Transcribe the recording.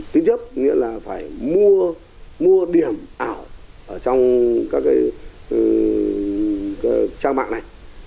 tính chấp nghĩa là phải mua điểm ảo trong các trang mạng này